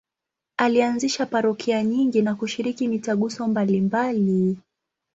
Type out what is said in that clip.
Alianzisha parokia nyingi na kushiriki mitaguso mbalimbali.